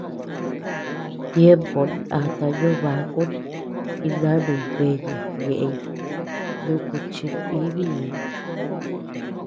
Tiempo ndataa ñobákun jinanuñ beeye ñéʼeñ nuku chit-íbi.